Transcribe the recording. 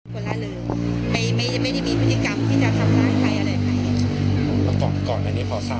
แต่ก่อนเขาจะอยู่งานสนาม